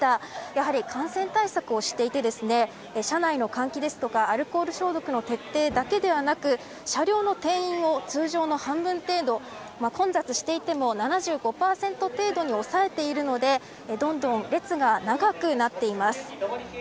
やはり、感染対策をしていて車内の換気ですとかアルコール消毒の徹底だけではなく車両の定員を通常の半分程度混雑していても７５％程度に抑えているのでどんどん列が長くなっています。